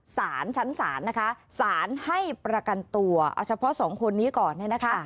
สารชั้นสารนะคะสารให้ประกันตัวเฉพาะ๒คนนี้ก่อนนะคะ